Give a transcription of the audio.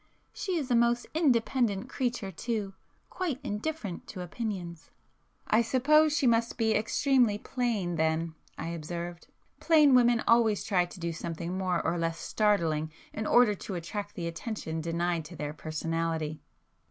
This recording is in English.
She is a most independent creature too; quite indifferent to opinions"— "I suppose she must be extremely plain then"—I observed; "Plain women always try to do something more or less startling in order to attract the attention denied to their personality."